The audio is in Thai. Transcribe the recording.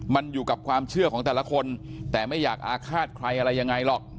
มันอยู่กับความเชื่อของแต่ละคนแต่ไม่อยากอาฆาตใครอะไรยังไงหรอก